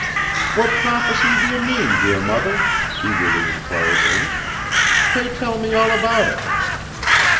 'What prophecy do you mean, dear mother?' eagerly inquired Ernest. 'Pray tell me all about it!